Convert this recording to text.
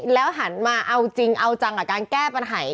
แล้วหันมาเอาจริงเอาจังกับการแก้ปัญหา